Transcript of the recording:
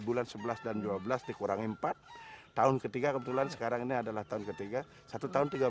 bulan sebelas dan dua belas dikurangi empat tahun ketiga kebetulan sekarang ini adalah tahun ketiga satu tahun tiga puluh